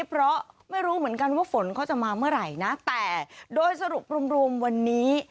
เพราะไม่รู้เหมือนกันว่าฝนเขาจะมาเมื่อไหร่นะแต่โดยสรุปรวมวันนี้